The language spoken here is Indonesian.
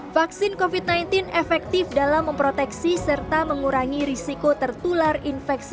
vaksin covid sembilan belas efektif dalam memproteksi serta mengurangi risiko tertular infeksi